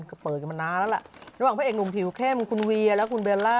ก็เปิดกันมานานแล้วล่ะระหว่างพระเอกหนุ่มผิวเข้มคุณเวียและคุณเบลล่า